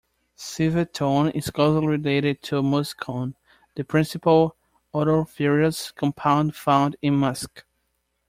Civetone is closely related to muscone, the principal odoriferous compound found in musk.